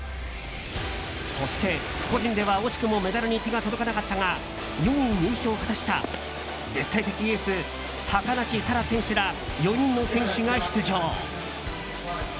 そして、個人では惜しくもメダルに手が届かなかったが４位入賞を果たした絶対的エース、高梨沙羅選手ら４人の選手が出場。